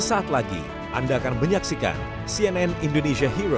dan saat lagi anda akan menyaksikan cnn indonesia hero